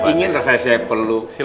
ingin rasa saya perlu